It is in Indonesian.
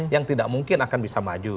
yang tidak mungkin akan bisa maju